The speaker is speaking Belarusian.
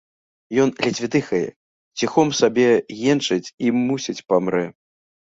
Ён ледзьве дыхае, ціхом сабе енчыць і, мусіць, памрэ.